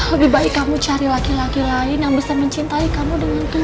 lebih baik kamu cari laki laki lain yang bisa mencintai kamu dengan kamu